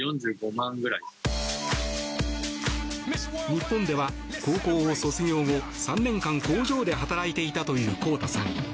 日本では、高校を卒業後３年間、工場で働いていたというコウタさん。